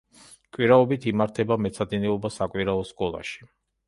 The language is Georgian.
კვირაობით იმართება მეცადინეობა საკვირაო სკოლაში.